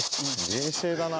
冷静だな。